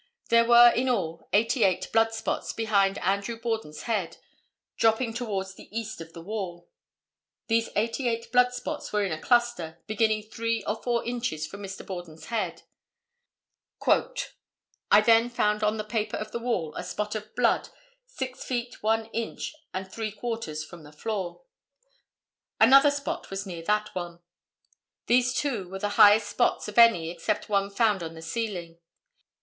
There were in all eighty eight blood spots behind Andrew Borden's head, dropping towards the east on the wall. These eighty eight blood spots were in a cluster, beginning three or four inches from Mr. Borden's head. "I then found on the paper of the wall a spot of blood six feet, one inch and three quarters from the floor. Another spot was near that one. These two were the highest spots of any except one found on the ceiling.